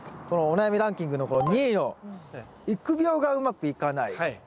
このお悩みランキングのこの２位の「育苗がうまくいかない」。